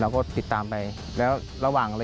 เราก็ติดตามไปแล้วระหว่างระยะ